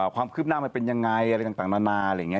ความคืบหน้ามันเป็นยังไงอะไรต่างนานาอะไรอย่างนี้